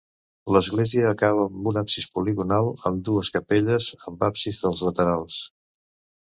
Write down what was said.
L'església acaba amb un absis poligonal, amb dues capelles amb absis als laterals.